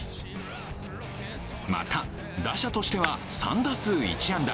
また、打者としては３打数１安打。